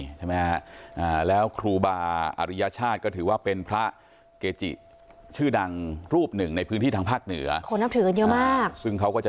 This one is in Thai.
ใช่ไหมฮะอ่าแล้วครูบาออนริยชาติก็ถือว่าเป็นพระเกจิชื่อดัง